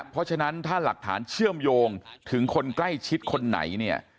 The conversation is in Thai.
เพราะฉะนั้นถ้าหลักฐานเชื่อมโยงถึงคนใกล้ชิดคนไหนเนี่ย